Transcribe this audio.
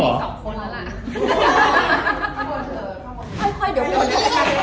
สักตอนละ๒คนละ